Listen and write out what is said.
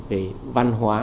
về văn hóa